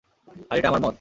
আর এটা আমার মত।